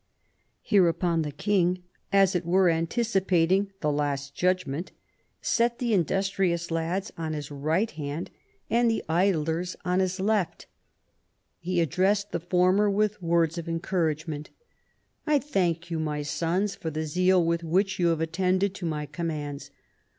Hereupon the king, as it were, anticipating the Last Judgment, set the industrious lads on his right hand and the idlers on RESULTS. 3X5 his left. He addressed the former with words of encouragement, " I thank you, my sons, for the zeal with which you have attended to my commands.